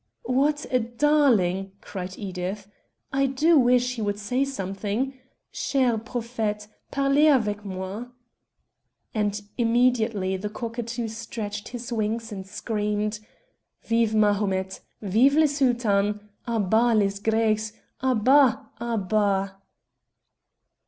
"What a darling!" cried Edith. "I do wish he would say something. Cher Prophète, parlez avec moi!" And immediately the cockatoo stretched his wings and screamed "_Vive Mahomet! Vive le Sultan! À bas les Grecs! à bas! à bas!